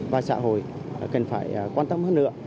và xã hội cần phải quan tâm hơn nữa